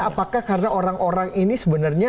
apakah karena orang orang ini sebenarnya